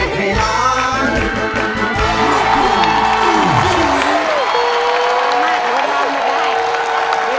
เพลงนี้มูลค่า๔๐๐๐๐บาท